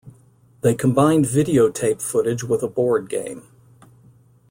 They combined videotape footage with a board game.